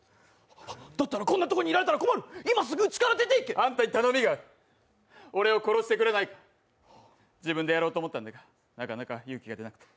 だったらこんなところにいられたら困るあんたに頼みがある俺を殺してくれないか、自分でやろうと思ったけどなかなか勇気が出なくて。